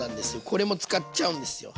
これも使っちゃうんですよ。